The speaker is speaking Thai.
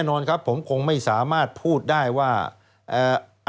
สวัสดีค่ะต้องรับคุณผู้ชมเข้าสู่ชูเวสตีศาสตร์หน้า